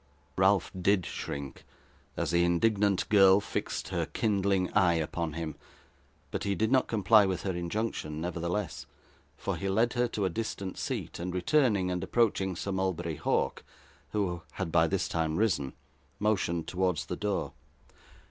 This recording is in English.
Ralph DID shrink, as the indignant girl fixed her kindling eye upon him; but he did not comply with her injunction, nevertheless: for he led her to a distant seat, and returning, and approaching Sir Mulberry Hawk, who had by this time risen, motioned towards the door.